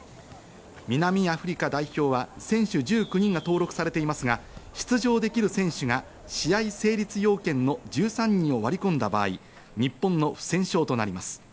南アフリカ代表は選手１９人が登録されていますが、出場できる選手が試合成立要件の１３人を割り込んだ場合、日本の不戦勝となります。